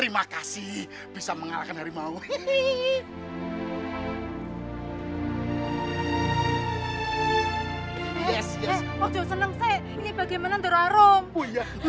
mari saya bantu